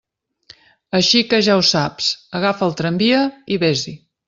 Així que, ja ho saps, agafa el tramvia i vés-hi!